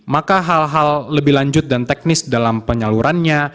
maka hal hal lebih lanjut dan teknis dalam penyalurannya